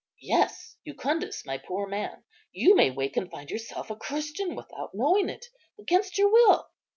"Yes, Jucundus, my poor man, you may wake and find yourself a Christian, without knowing it, against your will.